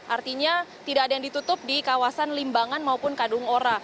artinya tidak ada yang ditutup di kawasan limbangan maupun kadung ora